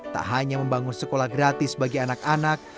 tak hanya membangun sekolah gratis bagi anak anak